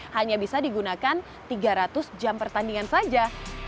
hanya bisa digunakan tiga ratus jam pertandingan saja